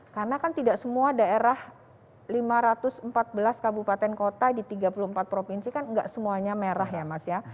karena kan tidak semua daerah lima ratus empat belas kabupaten kota di tiga puluh empat provinsi kan enggak semuanya merah ya mas ya